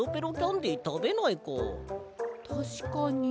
たしかに。